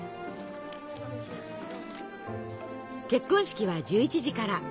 結婚式は１１時から。